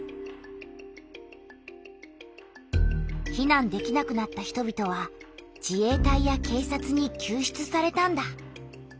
避難できなくなった人びとは自衛隊や警察にきゅう出されたんだ。